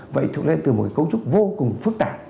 vậy thuốc lá điện tử là một cấu trúc vô cùng phức tạp